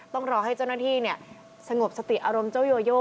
ต้องรอให้เจ้าหน้าที่สงบสติอารมณ์เจ้าโยโย